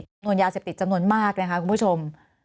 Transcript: จำนวนยาเสพติดจำนวนมากนะคะคุณผู้ชม